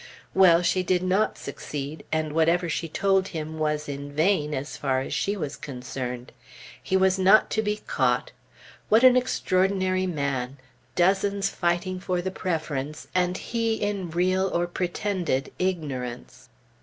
Well! she did not succeed, and whatever she told him was told in vain, as far as she was concerned. He was not to be caught! What an extraordinary man! Dozens fighting for the preference, and he in real, or pretended ignorance.